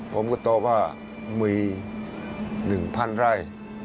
ผมก็ตอบว่ามีหนึ่งพันไร่